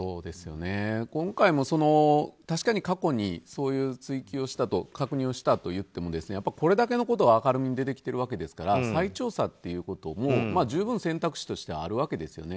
今回も確かに過去にそういう追及をしたと確認をしたといってもこれだけのことが明るみに出てきているわけですから再調査ということも十分、選択肢としてあるわけですよね。